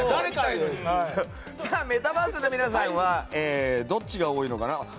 メタバースの皆さんはどっちが多いのかな。